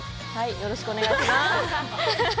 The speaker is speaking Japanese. よろしくお願いします。